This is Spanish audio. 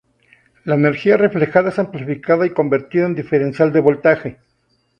La energía reflejada es amplificada y convertida en diferencial de voltaje.